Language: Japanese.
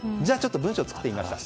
文章を作ってみました。